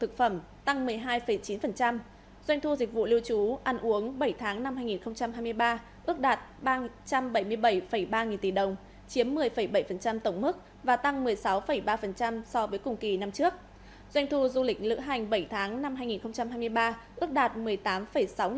doanh thu du lịch lựa hành bảy tháng năm hai nghìn hai mươi ba ước đạt một mươi tám sáu nghìn tỷ đồng tăng năm mươi ba sáu so với cùng kỳ năm trước